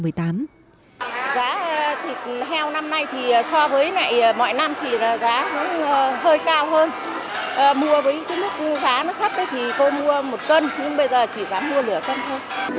mua với cái mức giá nó thấp thì cô mua một cân nhưng bây giờ chỉ dám mua lửa cân thôi